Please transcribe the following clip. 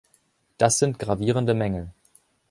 Das sind gravierende Mängel.